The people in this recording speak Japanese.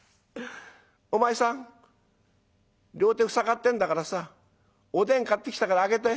「お前さん両手塞がってんだからさおでん買ってきたから開けて。